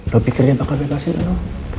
lo pikir dia bakal bebasin lo